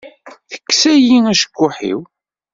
Teksa-yi acekkuḥ-iw.